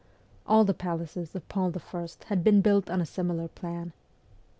All the palaces of Paul I. had been built on a similar plan.